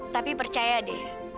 tapi percaya deh